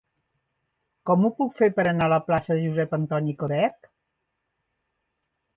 Com ho puc fer per anar a la plaça de Josep Antoni Coderch?